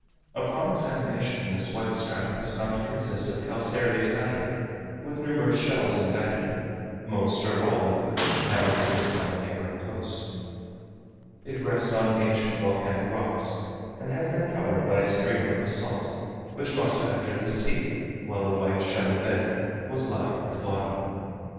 Upon examination this white stratum is found to consist of calcareous matter with numerous shells embedded, most or all of which now exist on the neighbouring coast. It rests on ancient volcanic rocks, and has been covered by a stream of basalt, which must have entered the sea when the white shelly bed was lying at the bottom.